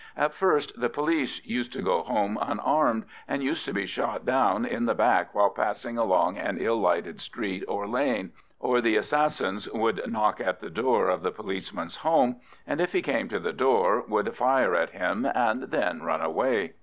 At first the police used to go home unarmed, and used to be shot down in the back while passing along an ill lighted street or lane, or the assassins would knock at the door of the policeman's home, and if he came to the door would fire at him and then run away.